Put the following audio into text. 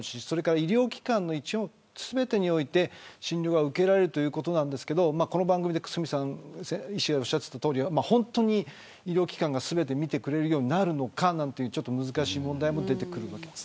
医療機関も一応全てにおいて診療が受けられるということですがこの番組で久住さんがおっしゃっていたように本当に医療機関が全て診てくれるようになるのかという難しい問題も出てくるわけです。